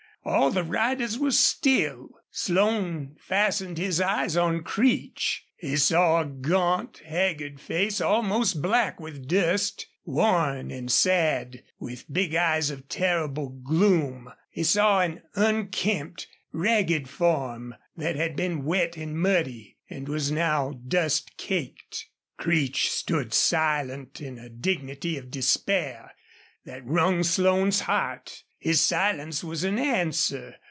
All the riders were still. Slone fastened his eyes on Creech. He saw a gaunt, haggard face almost black with dust worn and sad with big eyes of terrible gloom. He saw an unkempt, ragged form that had been wet and muddy, and was now dust caked. Creech stood silent in a dignity of despair that wrung Slone's heart. His silence was an answer.